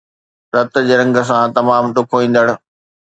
رت جي رنگ سان تمام ڏکوئيندڙ